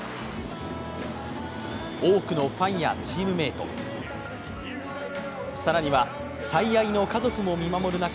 多くのファンやチームメート、更には最愛の家族も見守る中